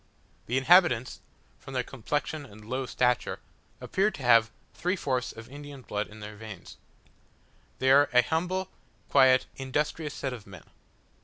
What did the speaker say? The inhabitants, from their complexion and low stature; appear to have three fourths of Indian blood in their veins. They are an humble, quiet, industrious set of men.